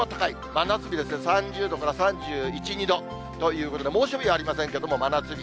真夏日ですね、３０度から３１、２度ということで、猛暑日ではありませんけれども、真夏日。